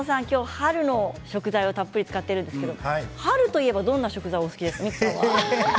春の食材をたっぷり使っているんですけど春といえばどんな食材がお好きですか？